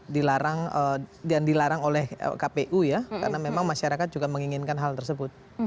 dilarang oleh kpu ya karena memang masyarakat juga menginginkan hal tersebut